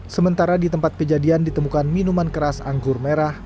sementara di tempat kejadian ditemukan minuman keras anggur merah